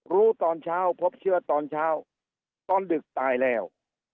ตอนเช้าพบเชื้อตอนเช้าตอนดึกตายแล้ว